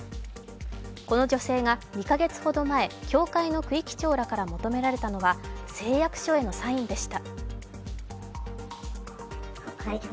この女性が２か月ほど前教会の区域長らから求められたのは誓約書へのサインでした。